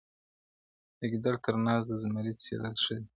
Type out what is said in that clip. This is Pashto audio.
• د ګیدړ تر ناز د زمري څيرل ښه دي -